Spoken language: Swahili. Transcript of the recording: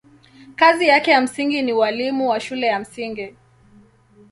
Kazi yake ya msingi ni ualimu wa shule ya msingi.